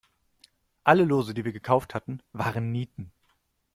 Alle Lose, die wir gekauft hatten, waren Nieten.